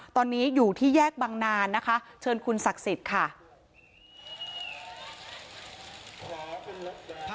ตอนนี้อยู่ที่แยกบังนานนะคะเชิญคุณศักดิ์สิทธิ์ค่ะ